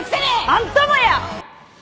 あんたもや！